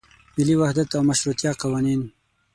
ملي وحدت او مشروطیه قوانین.